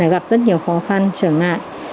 gặp rất nhiều khó khăn trở ngại